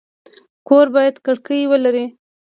کور باید کړکۍ ولري